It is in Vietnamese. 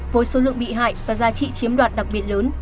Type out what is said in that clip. với số lượng bị hại và giá trị chiếm đoạt đặc biệt lớn